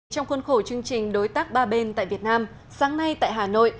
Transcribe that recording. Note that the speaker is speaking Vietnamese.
trong khuôn khổ chương trình đối tác ba bên tại việt nam sáng nay tại hà nội